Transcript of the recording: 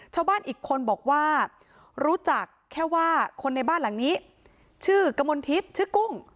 ชาวบ้านอีกคนบอกว่ารู้จักแค่ว่าคนในบ้านหลังนี้ชื่อกมลทิพย์ชื่อกุ้ง